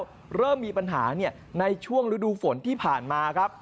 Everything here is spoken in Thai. ก็เริ่มมีปัญหาในช่วงฤดูฝนที่ผ่านมาครับ